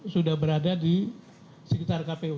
sudah berada di sekitar kpu